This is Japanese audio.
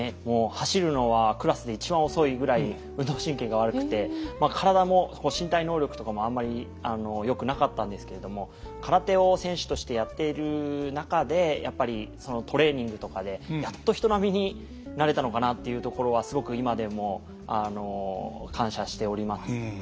走るのはクラスで一番遅いぐらい運動神経が悪くて体も身体能力とかもあんまりよくなかったんですけれども空手を選手としてやっている中でやっぱりそのトレーニングとかでやっと人並みになれたのかなっていうところはすごく今でも感謝しております。